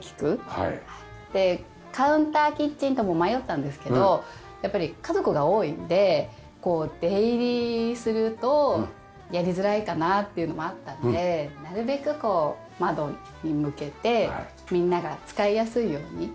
カウンターキッチンとも迷ったんですけどやっぱり家族が多いんで出入りするとやりづらいかなっていうのもあったんでなるべくこう窓に向けてみんなが使いやすいように。